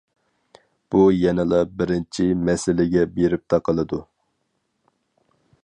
بۇ يەنىلا بىرىنچى مەسىلىگە بېرىپ تاقىلىدۇ.